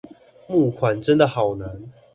募款真的好難